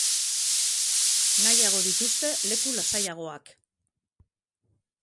Nahiago dituzte leku lasaiagoak.